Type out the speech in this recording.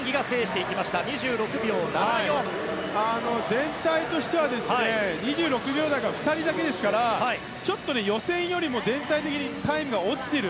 全体としては２６秒台が２人だけですからちょっと予選よりも全体的にタイムが落ちている。